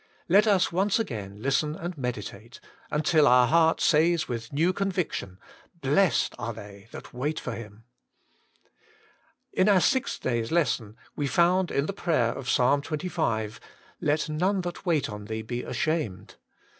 Let us once again listen and meditate, until our heart says with new conviction :* Blessed are they that wait for Him!' In our sixth io6 WAITING ON GODt day's lesson we found in the prayer of Psalm XXV. :* Let none that wait on Thee he ashamed.'